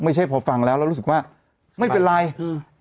ไม่ใช่พอฟังแล้วแล้วรู้สึกว่าไม่เป็นไรอืม